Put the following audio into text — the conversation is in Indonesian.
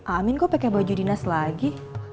amin kok pakai baju dinas lagi